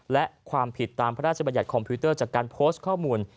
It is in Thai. และความผิดตามพระราชบัญญัติคอมพิวเตอร์จากการโพสต์ข้อมูล